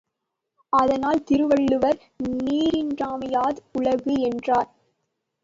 அதனால் திருவள்ளுவர் நீரின்றமையாது உலகு என்றார்.